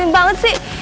ini mimpi banget sih